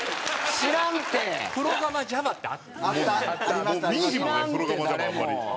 知らんって誰も。